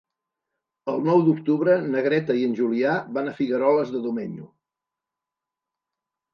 El nou d'octubre na Greta i en Julià van a Figueroles de Domenyo.